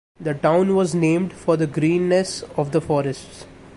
The town was named for the greenness of the forests.